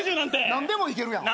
何でもいけるやん。